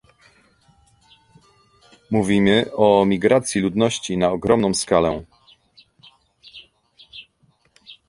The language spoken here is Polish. Mówimy o migracji ludności na ogromną skalę!